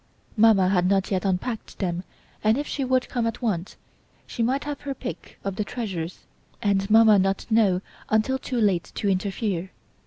Mamma had not yet unpacked them and if she would come at once, she might have her pick of the treasures, and Mamma not know until too late to interfere.